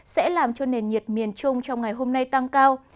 sẽ làm cho nền nhiệt miền trung trong ngày hôm nay tăng cao